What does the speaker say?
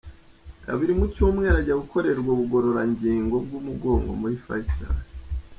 Kabiri mu cyumweru ajya gukorerwa ubugororangingo bw'umugongo muri Faisal.